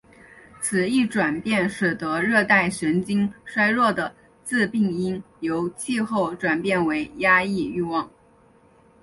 此一转变使得热带神经衰弱的致病因由气候转变为压抑欲望。